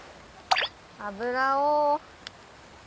油を。